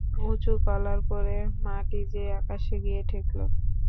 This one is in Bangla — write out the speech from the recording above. উঁচু কলার পরে মাথা যে আকাশে গিয়ে ঠেকল!